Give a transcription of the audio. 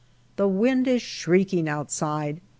The wind is shrieking outside.